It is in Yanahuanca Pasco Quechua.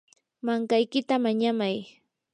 mankaykita mañamay.